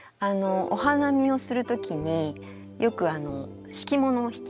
お花見をする時によく敷物をひきますよね。